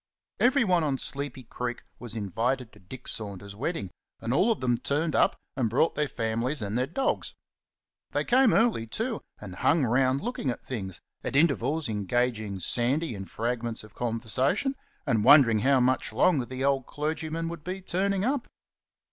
Everyone on Sleepy Creek was invited to Dick Saunders's wedding, and all of them turned up and brought their families and their dogs. They came early, too, and hung round looking at things, at intervals engaging Sandy in fragments of conversation, and wondering how much longer the old clergyman would be turning up.